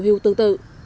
điều hưu tương tự